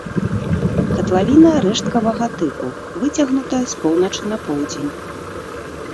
Катлавіна рэшткавага тыпу, выцягнутая з поўначы на поўдзень.